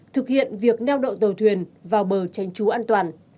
thực hiện việc neo đậu tàu thuyền vào bờ tránh trú an toàn